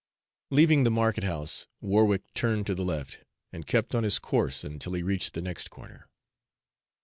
Leaving the market house, Warwick turned to the left, and kept on his course until he reached the next corner.